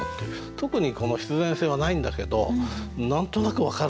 特にこの必然性はないんだけど何となく分かるっていうかね